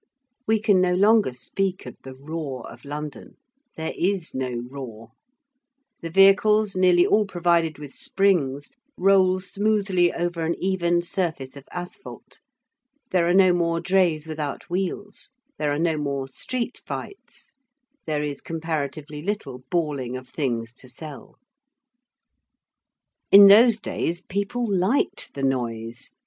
We can no longer speak of the roar of London: there is no roar: the vehicles, nearly all provided with springs, roll smoothly over an even surface of asphalt: there are no more drays without wheels: there are no more street fights: there is comparatively little bawling of things to sell. [Illustration: GRENADIER IN THE TIME OF THE PENINSULAR WAR.] In those days people liked the noise.